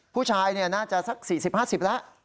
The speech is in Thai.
ผู้ชายน่าจะสัก๔๐๕๐แล้ว